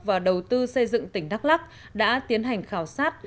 và đầu tư xây dựng tỉnh đắk lắc đã tiến hành khảo sát